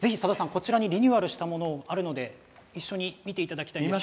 こちらにリニューアルしたものがあるので一緒に見ていただきたいです。